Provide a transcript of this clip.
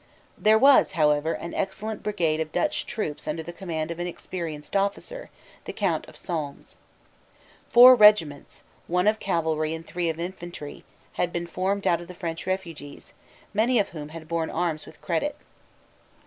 There was, however, an excellent brigade of Dutch troops under the command of an experienced officer, the Count of Solmes. Four regiments, one of cavalry and three of infantry, had been formed out of the French refugees, many of whom had borne arms with credit.